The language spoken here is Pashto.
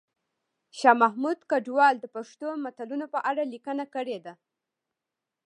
شاه محمود کډوال د پښتو متلونو په اړه لیکنه کړې ده